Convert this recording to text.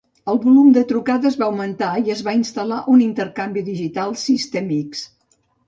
El volum de trucades va augmentar i es va instal·lar un intercanvi digital System X.